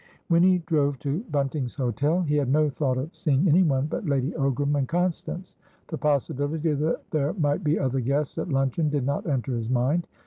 When he drove to Bunting's Hotel, he had no thought of seeing anyone but Lady Ogram and Constance; the possibility that there might be other guests at luncheon did not enter his mind.